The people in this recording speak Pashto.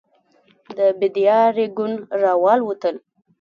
د بېدیا رېګون راوالوتل.